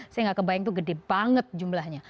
saya nggak kebayang itu gede banget jumlahnya